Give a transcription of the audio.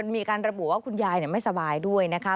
มีการระบุว่าคุณยายไม่สบายด้วยนะคะ